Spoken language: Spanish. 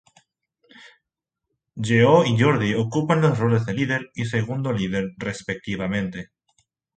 Lleó y Jordi ocupan los roles de líder y segundo líder respectivamente.